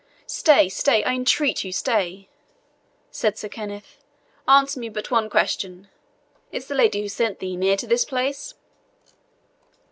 "Stay, stay I entreat you stay," said Sir Kenneth. "Answer me but one question: is the lady who sent thee near to this place?"